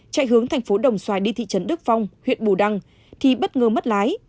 chạy hướng thành phố đồng xoài đi thị trấn đức phong huyện bù đăng thì bất ngờ mất lái